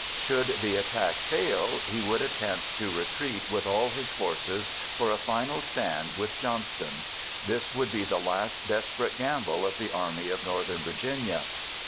Should the attack fail, he would attempt to retreat with all his forces for a final stand with Johnston. This would be the last desperate gamble of the Army of Northern Virginia.